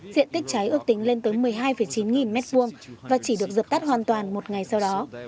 diện tích cháy ước tính lên tới một mươi hai chín nghìn mét vuông và chỉ được dập tắt hoàn toàn một ngày sau đó